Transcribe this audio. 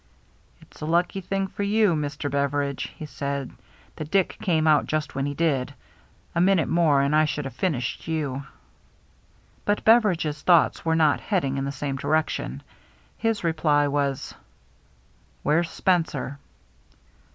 " It's a lucky thing for you. Mister Beveridge," he said, "that Dick came out just when he did. A minute more and I should have finished you." But Beveridge*s thoughts were not heading in the same direction. His reply was, "Where's Spencer?"